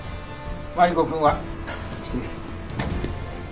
マリコくんは来て。